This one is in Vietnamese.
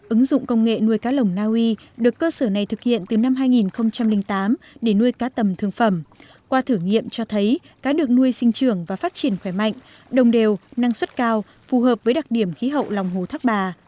ứng dụng công nghệ nuôi cá lồng naui được cơ sở này thực hiện từ năm hai nghìn tám để nuôi cá tầm thương phẩm qua thử nghiệm cho thấy cá được nuôi sinh trường và phát triển khỏe mạnh đồng đều năng suất cao phù hợp với đặc điểm khí hậu lòng hồ thác bà